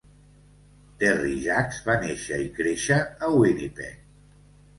Terry Jacks va néixer i créixer a Winnipeg.